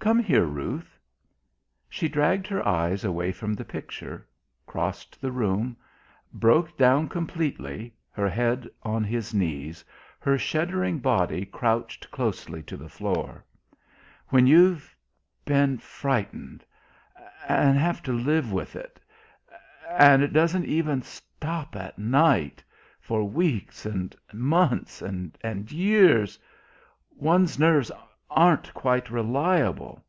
"Come here, Ruth." She dragged her eyes away from the picture; crossed the room; broke down completely, her head on his knees, her shuddering body crouched closely to the floor: "When you've been frightened and have to live with it and it doesn't even stop at night for weeks and months and years one's nerves aren't quite reliable....